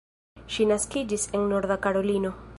Ŝi naskiĝis en Norda Karolino.